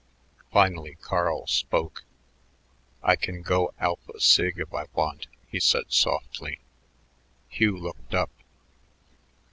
Finally Carl spoke. "I can go Alpha Sig if I want," he said softly. Hugh looked up.